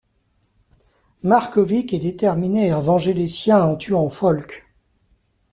Markovic est déterminé à venger les siens en tuant Faulques.